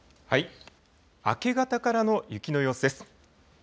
明け方からの雪の様子です。